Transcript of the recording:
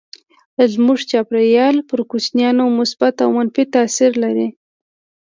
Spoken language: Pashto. د ژوند چاپيریال پر کوچنیانو مثبت او منفي تاثير لري.